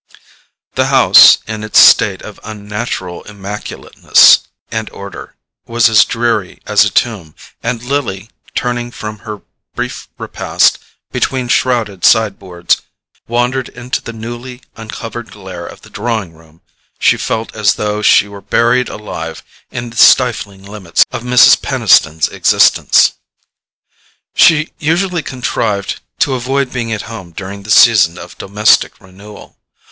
The house, in its state of unnatural immaculateness and order, was as dreary as a tomb, and as Lily, turning from her brief repast between shrouded sideboards, wandered into the newly uncovered glare of the drawing room she felt as though she were buried alive in the stifling limits of Mrs. Peniston's existence. She usually contrived to avoid being at home during the season of domestic renewal.